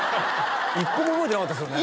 １個も覚えてなかったっすよね？